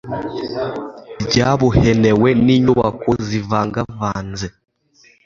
byabuhenewe. ni inyubako zivangavanze